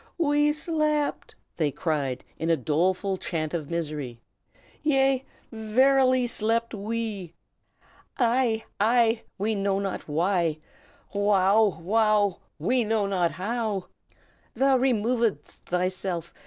"We slept!" they cried, in a doleful chant of misery. "Yea, verily slept we. "Ai! ai! we know not why; Wow! wow! we know not how. "Thou removedst thyself.